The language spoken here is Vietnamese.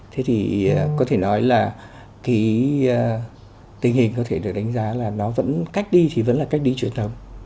thế thì có thể nói là cái tình hình có thể được đánh giá là nó vẫn cách đi thì vẫn là cách đi truyền thống